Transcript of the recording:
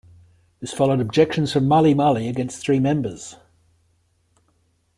This followed objections from Malimali against three members.